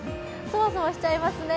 そわそわしちゃいますね。